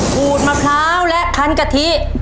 ขูดมะพร้าวและคันกะทิ